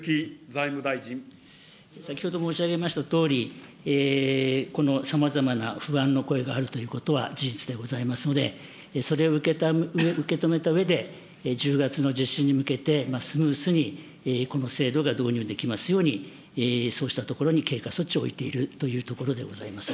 先ほど申し上げましたとおり、このさまざまな不安の声があるということは事実でございますので、それを受け止めたうえで、１０月の実施に向けて、スムースにこの制度が導入できますように、そうしたところに経過措置を置いているというところでございます。